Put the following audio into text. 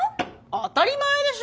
当たり前でしょ？